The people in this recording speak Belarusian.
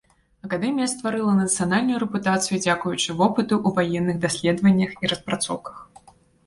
Акадэмія стварыла нацыянальную рэпутацыю дзякуючы вопыту ў ваенных даследаваннях і распрацоўках.